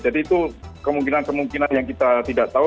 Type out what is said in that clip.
jadi itu kemungkinan kemungkinan yang kita tidak tahu